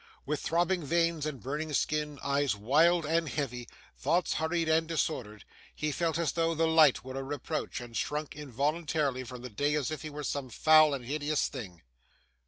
With throbbing veins and burning skin, eyes wild and heavy, thoughts hurried and disordered, he felt as though the light were a reproach, and shrunk involuntarily from the day as if he were some foul and hideous thing.